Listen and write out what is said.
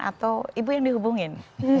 atau ibu yang dihubungin